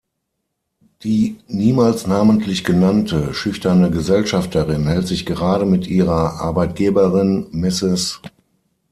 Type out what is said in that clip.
Die niemals namentlich genannte, schüchterne Gesellschafterin hält sich gerade mit ihrer Arbeitgeberin Mrs.